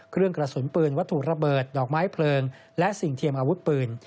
เครื่องกระสุนปืนวัตถุระเบิดดอกไม้เพลิงและสิ่งเทียมอาวุธปืน